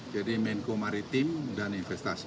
jadi menko maritim dan investasi